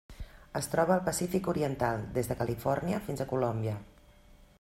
Es troba al Pacífic oriental: des de Califòrnia fins a Colòmbia.